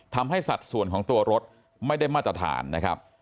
ทำให้สัตว์ส่วนของตัวรถไม่ได้มาตรฐานนะครับ